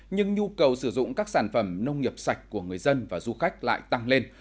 nhưng nhu cầu sử dụng các sản phẩm nông nghiệp sạch của người dân và du khách lại tăng lên